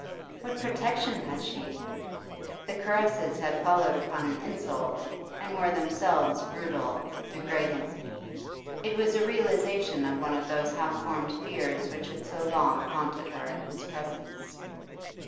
What protection had she? The caresses had followed upon an insult, and were themselves brutal, degrading. It was a realisation of one of those half formed fears which had so long haunted her in his presence.